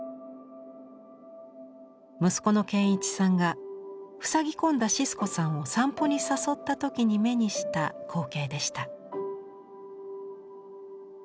息子の賢一さんがふさぎ込んだシスコさんを散歩に誘った時に目にした光景でした。